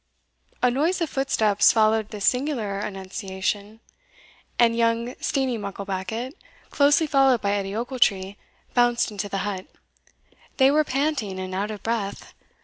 A noise of footsteps followed this singular annunciation, and young Steenie Mucklebackit, closely followed by Edie Ochiltree, bounced into the hut. They were panting and out of breath.